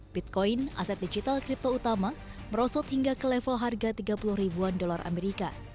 bitcoin aset digital kripto utama merosot hingga ke level harga tiga puluh ribuan dolar amerika